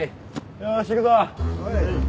よし行くぞ。